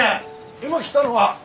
今来たのが？